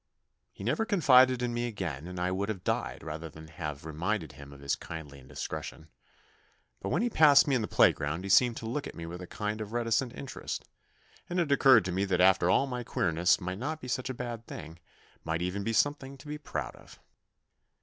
He THE NEW BOY 69 never confided in me again, and I would have died rather than have reminded him of his kindly indiscretion ; but when he passed me in the playground he seemed to look at me with a kind of reticent interest, and it occurred to me that after all my queerness might not be such a bad thing, might even be something to be proud of.